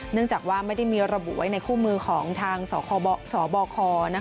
เนื่องจากว่าไม่ได้มีระบุไว้ในคู่มือของทางสบค